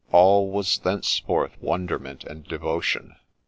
All was thenceforth wonderment and devotion.